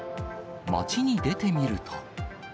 街に出てみると。